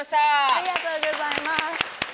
ありがとうございます。